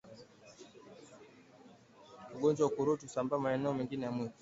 Ugonjwa wa ukurutu husambaa maeneo mengine ya mwili